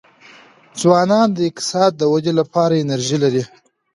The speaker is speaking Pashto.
ځوانان د اقتصاد د ودې لپاره انرژي لري.